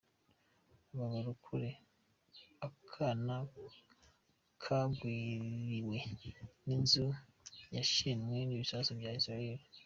Aba bararokora akana kagwiriwe n'inzu yashenywe n'ibisasu bya Israel.